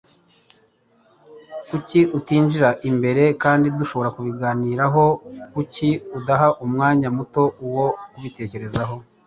Kuki utinjira imbere kandi dushobora kubiganiraho? Kuki udaha umwanya muto wo kubitekerezaho?